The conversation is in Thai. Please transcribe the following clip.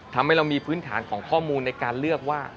ทำให้เรามีพื้นฐานของข้อมูลในการเลือกว่า